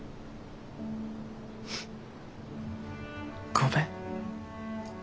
ごめん。